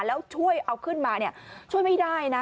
แล้วช่วยเอาขึ้นมาช่วยไม่ได้นะ